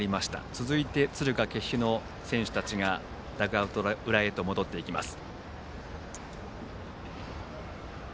続いて敦賀気比の選手たちがダグアウト裏へと戻っていきます。